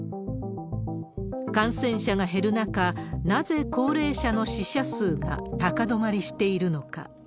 感染者が減る中、なぜ高齢者の死者数が高止まりしているのか。